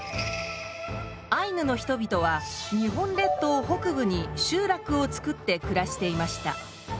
アイヌの人々は日本列島北部に集落を作って暮らしていました。